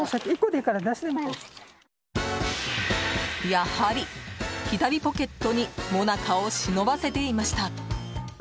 やはり、左ポケットにもなかを忍ばせていました。